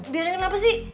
biarin kenapa sih